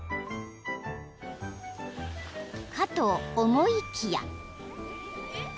［かと思いきや］